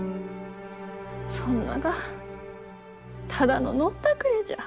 そんながただの飲んだくれじゃ。